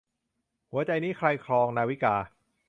หัวใจนี้ใครครอง - นาวิกา